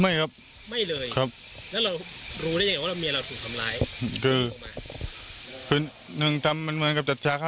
ไม่ครับไม่เลยครับแล้วเรารู้ได้ยังไงว่าเมียเราถูกทำร้าย